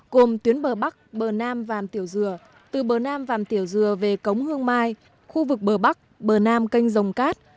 gồm tuyến bờ bắc bờ nam vàm tiểu dừa từ bờ nam vàm tiểu dừa về cống hương mai khu vực bờ bắc bờ nam kênh dòng cát